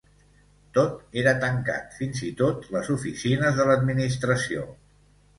Tot era tancat, fins i tot les oficines de l’administració.